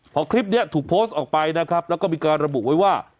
พอคลิปนี้ถูกโพสต์ออกไปนะครับแล้วก็มีการระบุไว้ว่า